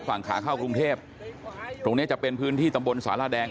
ฝั่งขาเข้ากรุงเทพตรงเนี้ยจะเป็นพื้นที่ตำบลสาราแดง